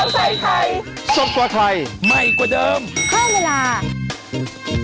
โปรดติดตามตอนต่อไป